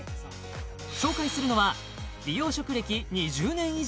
紹介するのは美容職歴２０年以上！